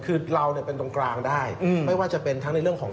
คือเราเนี่ยเป็นตรงกลางได้ไม่ว่าจะเป็นทั้งในเรื่องของ